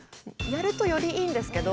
やるとよりいいんですけどでも。